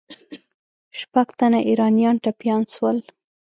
شپږ تنه ایرانیان ټپیان سول.